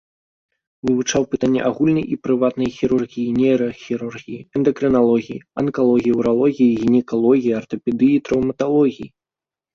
Вывучаў пытанні агульнай і прыватнай хірургіі, нейрахірургіі, эндакрыналогіі, анкалогіі, уралогіі, гінекалогіі, артапедыі і траўматалогіі.